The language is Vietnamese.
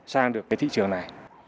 sang được cái thị trường này